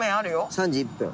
３時１分。